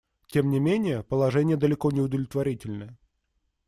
Тем не менее положение далеко не удовлетворительное.